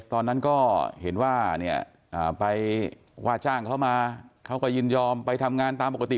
ตอนนั้นก็เห็นว่าเนี่ยไปว่าจ้างเขามาเขาก็ยินยอมไปทำงานตามปกติ